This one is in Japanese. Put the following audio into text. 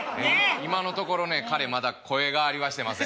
今のところね彼まだ声変わりはしてません。